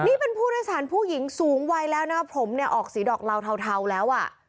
นี่เป็นผู้โดยสารผู้หญิงสูงวัยแล้วนะครับผมเนี่ยออกสีดอกเหลาเทาแล้วอ่ะ